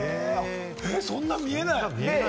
そんなふうに見えない。